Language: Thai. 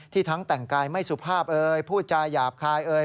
ที่ทั้งแต่งกายไม่สุภาพเอ๋ยผู้จ่ายหยาบคายเอ๋ย